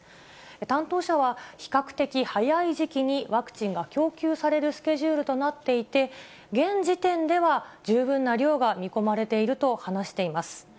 担当者は、比較的早い時期にワクチンが供給されるスケジュールとなっていて、現時点では十分な量が見込まれていると話しています。